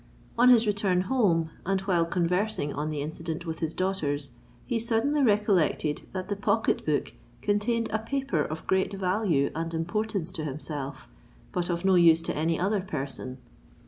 On his return home, and while conversing on the incident with his daughters, he suddenly recollected that the pocket book contained a paper of great value and importance to himself, but of no use to any other person.